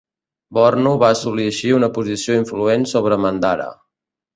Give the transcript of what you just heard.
Bornu va assolir així una posició influent sobre Mandara.